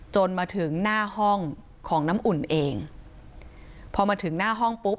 จนมาถึงหน้าห้องของน้ำอุ่นเองพอมาถึงหน้าห้องปุ๊บ